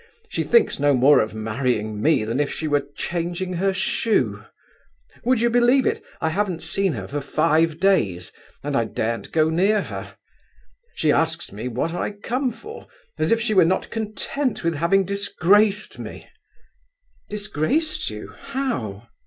She thinks no more of marrying me than if she were changing her shoe. Would you believe it, I haven't seen her for five days, and I daren't go near her. She asks me what I come for, as if she were not content with having disgraced me—" "Disgraced you! How?"